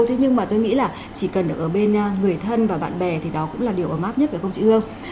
thế nhưng mà tôi nghĩ là chỉ cần ở bên người thân và bạn bè thì đó cũng là điều ấm áp nhất với công chị hương